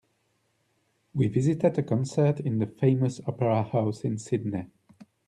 We visited a concert in the famous opera house in Sydney.